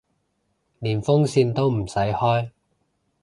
連風扇都唔使開